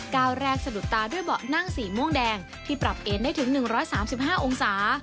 ก้าวแรกสะดุดตาด้วยเบาะนั่งสีม่วงแดงที่ปรับเอนได้ถึง๑๓๕องศา